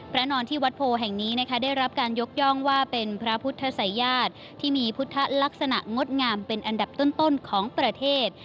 นอนที่วัดโพแห่งนี้นะคะได้รับการยกย่องว่าเป็นพระพุทธศัยญาติที่มีพุทธลักษณะงดงามเป็นอันดับต้นของประเทศ